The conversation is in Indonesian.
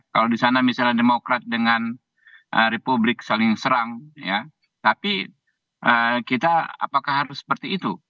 kalau di sana misalnya demokrat dengan republik saling serang tapi kita apakah harus seperti itu